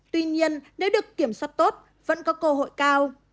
tuy nhiên nếu được kiểm soát tốt vẫn có cơ hội cao